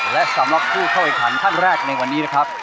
และสำหรับผู้เข้าแข่งขันท่านแรกในวันนี้นะครับ